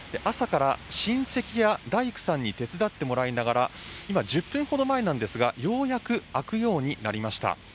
朝から親戚や大工さんに手伝ってもらいながら今１０分ほど前なんですがようやく開くようになりました